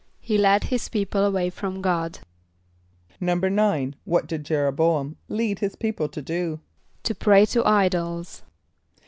=He led his people away from God.= =9.= What did J[)e]r o b[=o]´am lead his people to do? =To pray to idols.